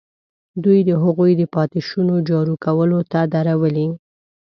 دوی د هغوی د پاتې شونو جارو کولو ته درولي.